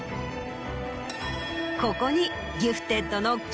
ここに。